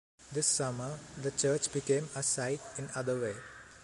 This summer, the church became a sight in other way.